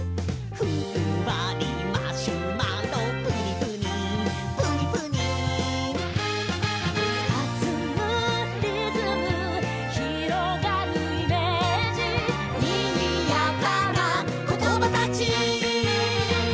「ふんわりマシュマロプニプニプニプニ」「はずむリズム」「広がるイメージ」「にぎやかなコトバたち」